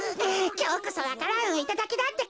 きょうこそわか蘭をいただきだってか。